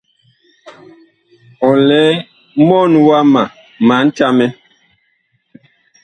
Ɔ lɛ mɔɔn wama ma ntamɛ.